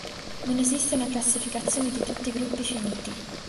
Non esiste una classificazione di tutti i gruppi finiti.